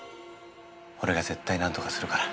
俺が絶対なんとかするから。